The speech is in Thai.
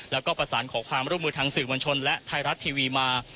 แล้วก็ประสานขอความร่วมมือทางสื่อมวลชนและไทยรัฐทีวีมา